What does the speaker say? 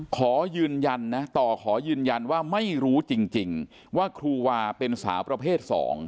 ขอยืนยันนะต่อขอยืนยันว่าไม่รู้จริงว่าครูวาเป็นสาวประเภท๒